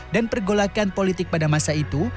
dan pergolakan politik pada masa itu